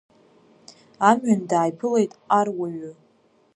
Амҩан дааиԥылеит аруаҩы.